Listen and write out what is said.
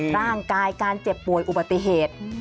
ร่างกายการเจ็บป่วยอุบัติเหตุ